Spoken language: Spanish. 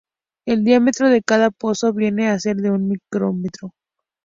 El diámetro de cada pozo viene a ser de un micrómetro.